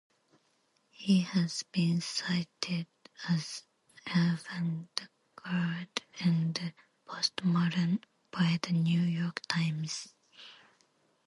He has been cited as avant garde and postmodern by "The New York Times".